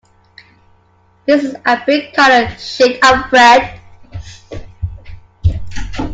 This is a brick-colored shade of red.